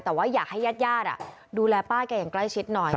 แต่ว่าอยากให้ญาติดูแลป้าแกอย่างใกล้ชิดหน่อย